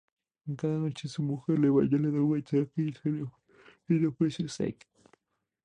Cada noche su mujer le baña, le da un masaje y le ofrece sake.